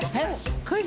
クイズ？